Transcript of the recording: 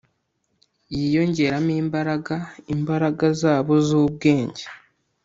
yiyongeramo imbaraga Imbaraga zabo zubwenge